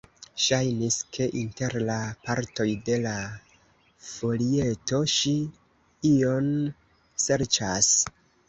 Ŝajnis, ke inter la partoj de la folieto ŝi ion serĉas.